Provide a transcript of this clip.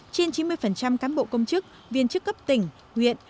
trên chín mươi cán bộ công chức viên chức cấp tỉnh huyện